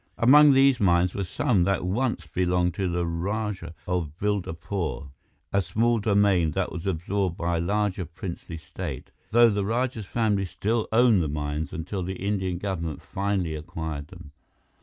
Among these mines were some that once belonged to the Rajah of Bildapore, a small domain that was absorbed by a larger princely state, though the Rajah's family still owned the mines until the Indian government finally acquired them.